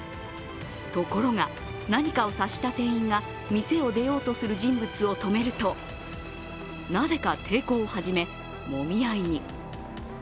ところが、何かを察した店員が店を出ようとする人物を止めると、なぜか抵抗を始め、もみ合いに。